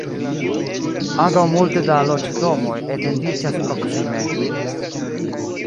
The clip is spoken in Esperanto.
Ankaŭ multe da loĝdomoj etendiĝas proksime.